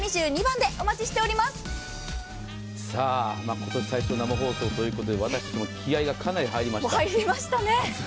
今年最初の生放送ということで私たちも気合いがかなり入りましたね。